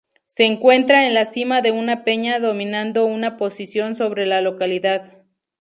Se encuentra en la cima de una peña dominando una posición sobre la localidad.